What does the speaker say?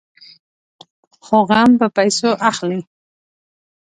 خو غم په پيسو اخلي.